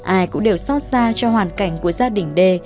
ai cũng đều xót xa cho hoàn cảnh của gia đình d